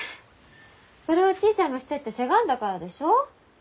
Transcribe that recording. それはちぃちゃんがしてってせがんだからでしょ？